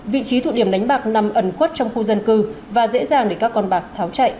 vị trí thụ điểm đánh bạc nằm ẩn khuất trong khu dân cư và dễ dàng để các con bạc tháo chạy